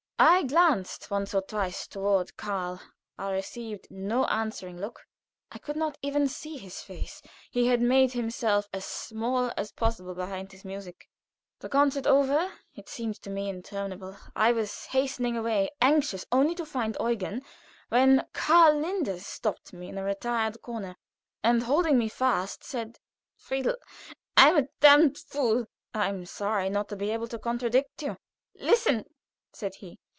I glanced once or twice toward Karl; I received no answering look. I could not even see his face; he had made himself as small as possible behind his music. The concert over it seemed to me interminable I was hastening away, anxious only to find Eugen, when Karl Linders stopped me in a retired corner, and holding me fast, said: "Friedel, I am a damned fool." "I am sorry not to be able to contradict you." "Listen," said he.